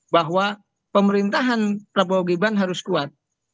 bahwa pemerintahan perpogiban harus kuat